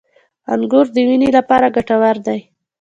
• انګور د وینې لپاره ګټور دي.